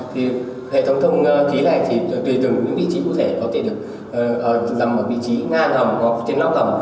thì hệ thống thông khí này thì tùy từng những vị trí cụ thể có thể được nằm ở vị trí ngang hầm hoặc trên lóc hầm